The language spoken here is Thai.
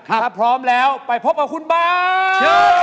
ถ้าพร้อมแล้วไปพบกับคุณบาท